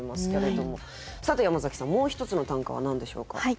さて山崎さんもう一つの短歌は何でしょうか？